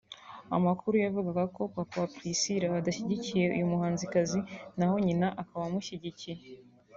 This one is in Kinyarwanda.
Amakuru yavugaga ko papa wa Priscillah adashyigikiye uyu muhanzikazi naho nyina akaba amushyigikiye